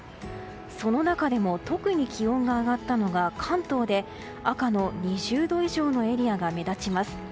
その中でも特に気温が上がったのが関東で赤の２０度以上のエリアが目立ちます。